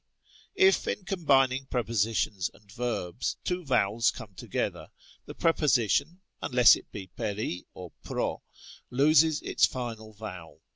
1, in combining prepositions and verbs, two vowels come together, the preposition (unless it be περί or πρό) loses its final vowel.